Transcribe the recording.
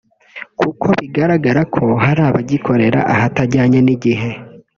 kuko bigaragara ko hari abagikorera ahatajyanye n’igihe